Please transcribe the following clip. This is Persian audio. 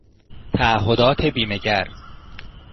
تعهدات بیمه گر